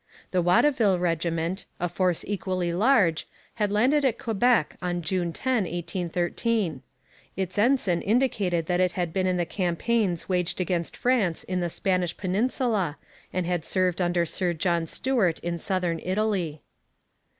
The Watteville regiment, a force equally large, had landed at Quebec on June 10, 1813. Its ensign indicated that it had been in the campaigns waged against France in the Spanish peninsula and had served under Sir John Stuart in southern Italy.